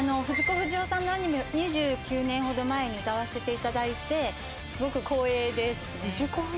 不二雄さんのアニメを２９年ほど前に歌わせていただいてスゴく光栄ですね